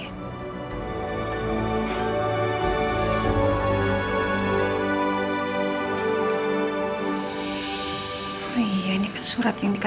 oh iya ini kan surat yang diberikan